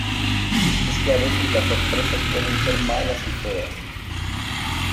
es que a veces las sorpresas pueden ser malas y feas.